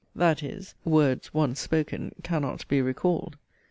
That is, 'Words one spoken cannot be recalled.'